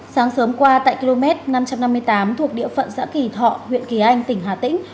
sáng sớm qua tại km năm trăm năm mươi tám thuộc địa phận xã kỳ thọ huyện kỳ anh tỉnh hà tĩnh